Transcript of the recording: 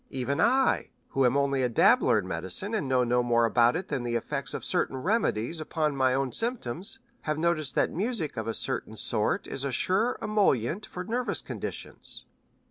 Even I, who am only a dabbler in medicine and know no more about it than the effects of certain remedies upon my own symptoms, have noticed that music of a certain sort is a sure emollient for nervous conditions."